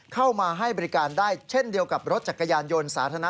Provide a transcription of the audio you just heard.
เข้ามาให้บริการได้เช่นเดียวกับรถจักรยานยนต์สาธารณะ